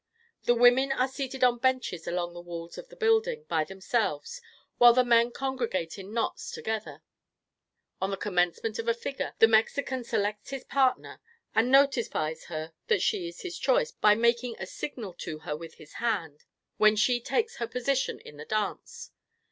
The women are seated on benches along the walls of the building, by themselves, while the men congregate in knots together. On the commencement of a figure, the Mexican selects his partner and notifies her that she is his choice by making a signal to her with his hand, when she takes her position in the dance.